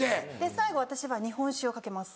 最後私は日本酒をかけます。